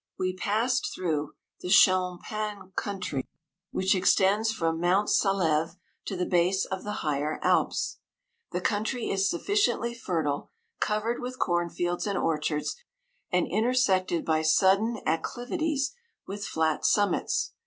We passed through the champain country, which extends 142 from Mont Saleve to the base of the higher Alps. The country is suffi ciently fertile, covered with corn fields and orchards, and intersected by sud* den acclivities with flat summits.